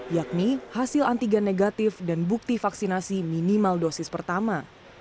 yakni hasil antigen negatif dan bukti vaksinasi minimal dosis pertama